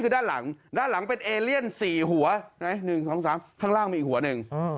ข้างล่างมีอีกหัวหนึ่ง